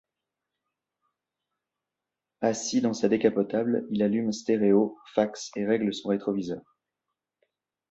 Assis dans sa décapotable, il allume stéréo, fax et règle son rétroviseur.